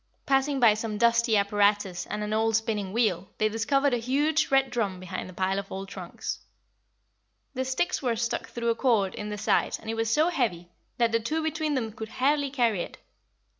Passing by some dusty apparatus and an old spinning wheel, they discovered a huge red drum behind a pile of old trunks. The sticks were stuck through a cord in the side and it was so heavy that the two between them could hardly carry it.